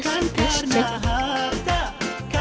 bukan pernah harta